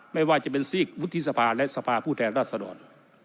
ไม่ว่าจะเป็นซีกวุฒิสภาและสภาผู้แทนรัศดร